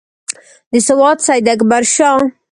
د سوات سیداکبرشاه.